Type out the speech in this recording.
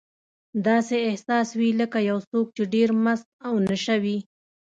داسې احساس وي لکه یو څوک چې ډېر مست او نشه وي.